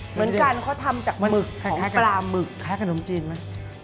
เหมือนกันเขาทำจากหมึกคล้ายปลาหมึกคล้ายขนมจีนไหม